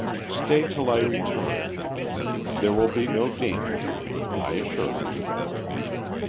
"Stay till I return. There will be no danger for me, I assure you."